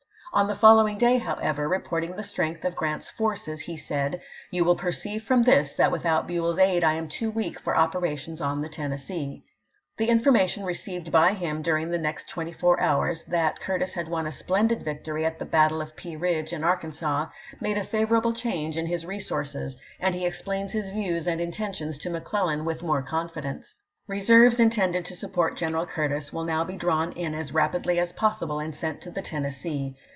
On the following day, however, reporting the strength of Grrant's forces, he said :" You will perceive from this that without Buell's aid I am too weak for operations on the Tennessee." The information received by him during the next twenty four hours, that Curtis had won a splendid victory at the battle of Pea Ridge in Arkansas, made a favorable change in his re sources, and he explains his views and intentions to McClellan with more confidence : Reserves intended to support General Curtis will now be drawn in as rapidly as possible and sent to the Tennes see.